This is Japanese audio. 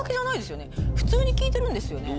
普通に聞いてるんですよね？